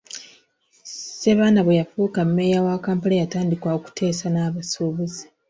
Ssebaana bwe yafuuka Mmeeya wa Kampala, yatandika okuteesa n'abasuubuzi.